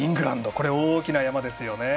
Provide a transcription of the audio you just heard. これは大きな山ですね。